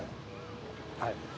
はい。